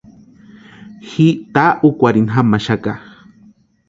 Ji taa úkwarhini jamaxaka.